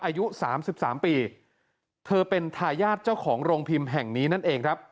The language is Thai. อายุสามสิบสามปีเธอเป็นทายาทเจ้าของโรงพิมพ์แห่งนี้นั่นเองครับ